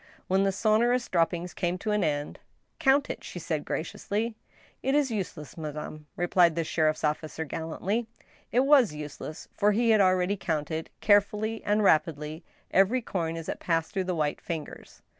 When the sonorous dropping came to an end —'" Count it," she said, graciously. " It is useless, madame," replied the sheriff's officer gallantly. It was useless, for he had already counted carefully and rapidly every coin as it passed through the white fingers.